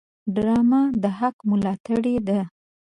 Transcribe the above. ډرامه د حق ملاتړې ده